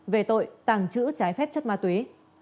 về tội tàng trữ trái phép chất ma túy